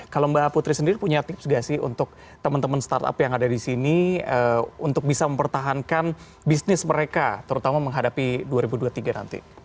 kalau mbak putri sendiri punya tips gak sih untuk teman teman startup yang ada di sini untuk bisa mempertahankan bisnis mereka terutama menghadapi dua ribu dua puluh tiga nanti